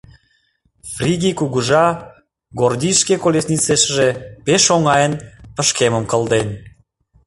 Фригий кугыжа Гордий шке колесницешыже пеш оҥайын пышкемым кылден.